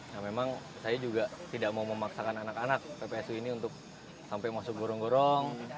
nah memang saya juga tidak mau memaksakan anak anak ppsu ini untuk sampai masuk gorong gorong